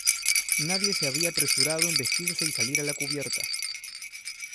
Nadie se había apresurado en vestirse y salir a la cubierta.